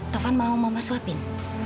taufan mau mama suapin